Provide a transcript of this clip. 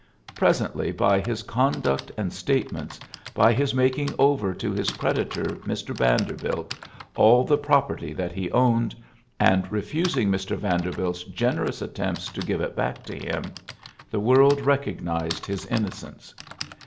Presently by his conduct and statements, by his making over to his creditor, Mr. Yanderbilt, all the property that he owned, and refusing Mr. Yanderbilt's generous attempts to give it back to him, the world recognised his innocence.